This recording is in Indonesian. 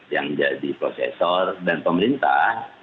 yang jadi processor dan juga yang menjadi pengisian